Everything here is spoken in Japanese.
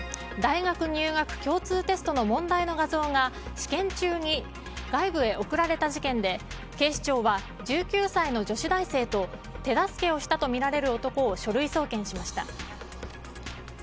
大学入学共通テストの問題の画像が試験宙に外部に送られた事件で警視庁は１９歳の女子大生と手助けをしたとみられる男を書類送検しました。